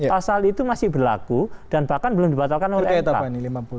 pasal itu masih berlaku dan bahkan belum dibatalkan oleh mk